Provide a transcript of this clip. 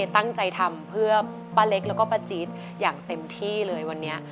ตั้งใจทำเพื่อป้าเล็กแล้วก็ป้าจี๊ดอย่างเต็มที่เลยวันนี้